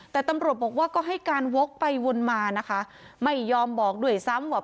แต่ตำรวจบอกว่าก็ให้การวกไปวนมานะคะไม่ยอมบอกด้วยซ้ำว่า